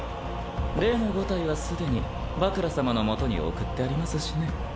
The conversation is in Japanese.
例の５体はすでにバクラ様のもとに送ってありますしね。